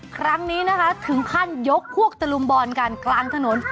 ครั้งนี้ถึงขั้นยกพวกตลุมบอลกลางถนน